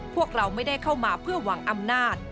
พวกเราไม่ได้เข้ามาเพื่อหวังอำนาจ